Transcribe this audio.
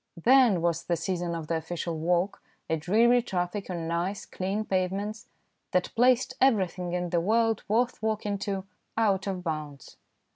Then was the season of the official walk, a dreary traffic on nice, clean pavements, that placed everything in the world worth walking to out of bounds.